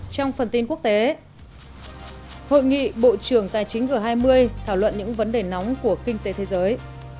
trong phần tin quốc tế hội nghị bộ trưởng tài chính g hai mươi thảo luận những vấn đề nóng của kinh tế thế giới